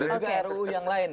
dan juga ruu yang lain